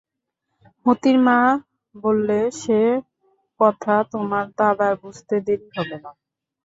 মোতির মা বললে, সে কথা তোমার দাদার বুঝতে দেরি হবে না।